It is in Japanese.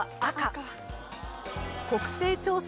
国勢調査